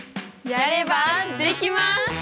やればできます！